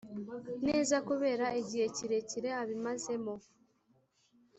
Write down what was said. neza kubera igihe kirekire abimazemo